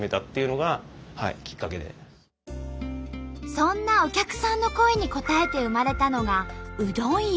そんなお客さんの声に応えて生まれたのがうどん湯。